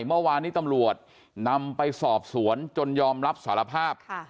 เมื่อวานนี้ตำรวจนำไปสอบสวนจนยอมรับสารภาพ